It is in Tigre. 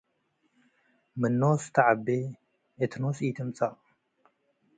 ምን ኖስ ተዐቤ እት ኖስ ኢትምጸእ።